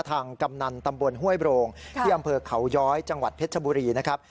กำนันตำบลห้วยโรงที่อำเภอเขาย้อยจังหวัดเพชรชบุรีนะครับ